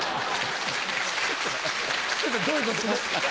ちょっと、どういうこと？